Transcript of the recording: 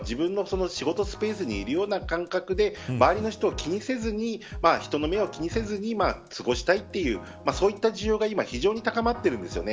自分の仕事スペースにいるような感覚で周りを気にせずに人の目を気にせずに過ごしたいという需要が非常に高まっています。